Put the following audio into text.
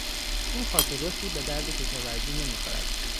این خاک رسی به درد کشاورزی نمیخورد.